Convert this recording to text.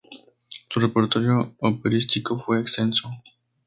Su repertorio operístico fue extenso.